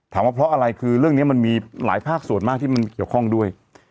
ว่าเพราะอะไรคือเรื่องนี้มันมีหลายภาคส่วนมากที่มันเกี่ยวข้องด้วย